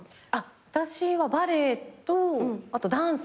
私はバレエとあとダンス。